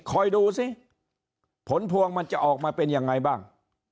คอยดูสิผลพวงมันจะออกมาเป็นยังไงบ้าง